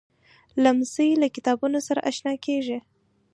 لمسی له کتابتون سره اشنا کېږي.